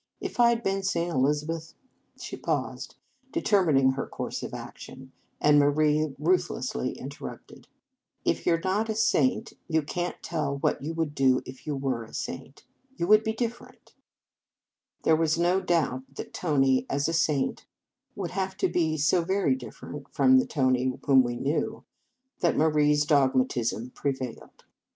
If I d been St. Eliz abeth" She paused, determining her course of action, and Marie ruthlessly inter posed. " If you re not a saint, you can t tell what you would do if you were a saint. You would be differ ent." 197 In Our Convent Days There was no doubt that Tony as a saint would have to be so very differ ent from the Tony whom we knew, that Marie s dogmatism prevailed.